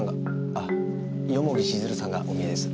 あ蓬城静流さんがお見えです。